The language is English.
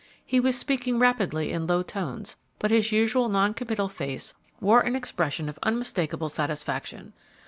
He was speaking rapidly in low tones, but his usually non committal face wore an expression of unmistakable satisfaction.